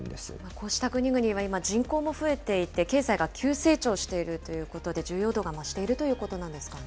こうした国々は今、人口も増えていて、経済が急成長しているということで、重要度が増しているということなんですかね。